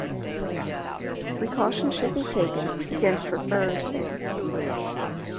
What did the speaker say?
Precautions should be taken against referrer spam.